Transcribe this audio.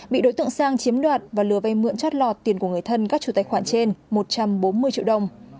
bị đối tượng sang chiếm đoạt và lừa vay mượn chót lọt tiền của người thân các chủ tài khoản trên một trăm bốn mươi triệu đồng